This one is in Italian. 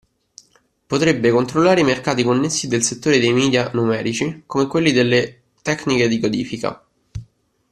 Potrebbe controllare i mercati connessi del settore dei media numerici, come quelli delle tecniche di codifica.